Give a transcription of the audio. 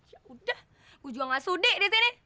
ya udah gue juga nggak sudik dari sini